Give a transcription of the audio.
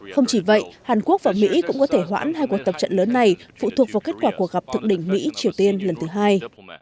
không chỉ vậy hàn quốc và mỹ cũng có thể hoãn hai cuộc tập trận lớn này phụ thuộc vào kết quả cuộc gặp thượng đỉnh mỹ triều tiên lần thứ hai